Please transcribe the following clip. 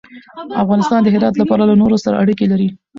افغانستان د هرات له پلوه له نورو سره اړیکې لري.